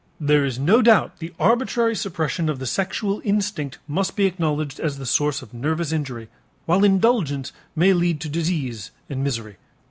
There is no doubt the arbitrary suppression of the sexual instinct must be acknowledged as the source of nervous injury while indulgence may lead to disease and misery.